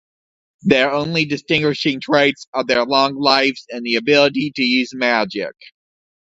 Their only distinguishing traits are their long lives and the ability to use magic.